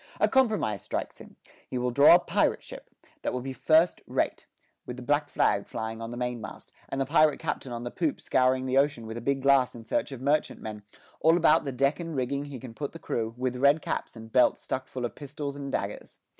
A compromise strikes him; he will draw a pirate ship: that will be first rate, with the black flag flying on the mainmast, and the pirate captain on the poop scouring the ocean with a big glass in search of merchantmen; all about the deck and rigging he can put the crew, with red caps, and belts stuck full of pistols and daggers.